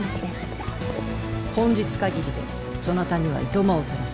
本日限りでそなたには暇をとらす。